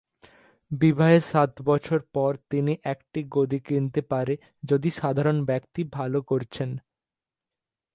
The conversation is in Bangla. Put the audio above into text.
বিবাহের সাত বছর পর তিনি একটি গদি কিনতে পারে যদি সাধারণ ব্যক্তি ভাল করছেন।